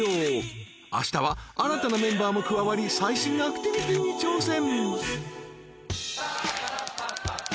［あしたは新たなメンバーも加わり最新アクティビティに挑戦］